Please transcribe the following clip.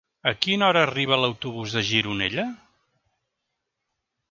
A quina hora arriba l'autobús de Gironella?